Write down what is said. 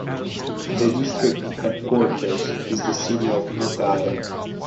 The district headquarters is the city of Mutare.